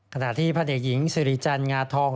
ขณะที่พันธุ์เอกหญิงสิริจันงาทอง